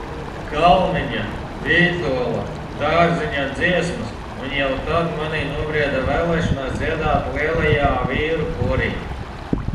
Kalniņa, Vītola, Dārziņa dziesmas un jau tad manī nobrieda vēlēšanās dziedāt lielajā vīru korī.